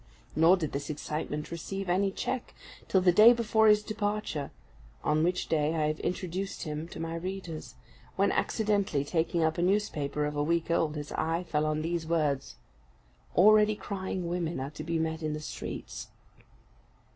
Nor did this excitement receive any check till the day before his departure, on which day I have introduced him to my readers, when, accidently taking up a newspaper of a week old, his eye fell on these words "Already crying women are to be met in the streets."